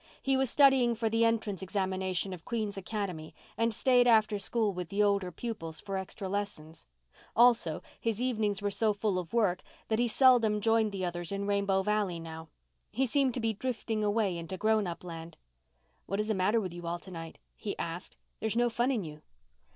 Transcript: He was studying for the entrance examination of Queen's Academy and stayed after school with the older pupils for extra lessons. Also, his evenings were so full of work that he seldom joined the others in Rainbow Valley now. He seemed to be drifting away into grown up land. "What is the matter with you all to night?" he asked. "There's no fun in you."